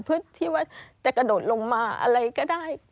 เพื่อที่ว่าจะกระโดดลงมาอะไรก็ได้